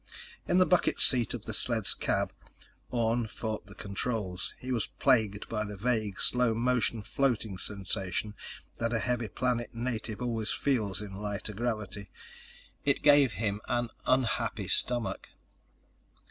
In the bucket seat of the sled's cab, Orne fought the controls. He was plagued by the vague slow motion floating sensation that a heavy planet native always feels in lighter gravity. It gave him an unhappy stomach.